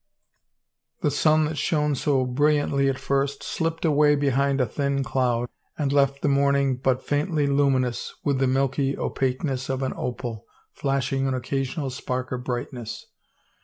The sun, that shone so brilliantly at first, slipped away behind a thin cloud, and left the morning but faintly luminous, with the milky opaqueness of an opal, flashing an occasional spark of brightness.